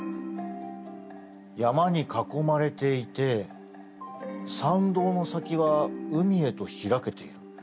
山に囲まれていて参道の先は海へと開けている。